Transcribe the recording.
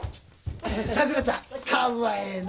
さくらちゃんかわええな！